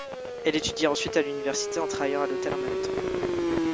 Elle étudia ensuite à l'université en travaillant à l'hôtel en même temps.